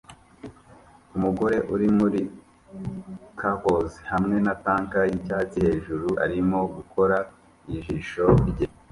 Umugore uri muri curlers hamwe na tank yicyatsi hejuru arimo gukora ijisho rye